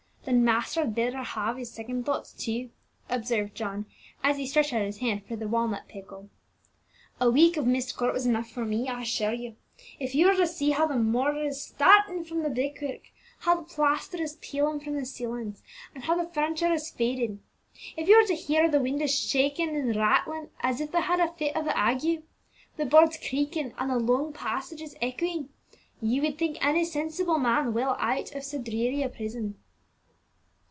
"Then master had better have his second thoughts too," observed John, as he stretched out his hand for the walnut pickle. "A week of Myst Court was quite enough for me, I assure you. If you were to see how the mortar is starting from the brickwork, how the plaster is peeling from the ceilings, and how the furniture is faded; if you were to hear the windows shaking and rattling as if they had a fit of the ague, the boards creaking, and the long passages echoing, you would think any sensible man well out of so dreary a prison."